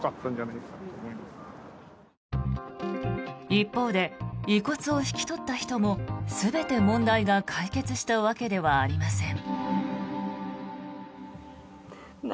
一方で、遺骨を引き取った人も全て問題が解決したわけではありません。